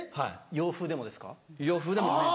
洋風でも。